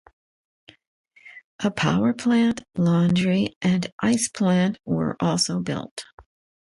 A power plant, laundry, and ice plant were also built.